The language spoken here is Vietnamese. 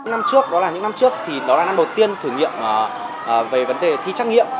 năm trước đó là những năm trước thì đó là năm đầu tiên thử nghiệm về vấn đề thi trắc nghiệm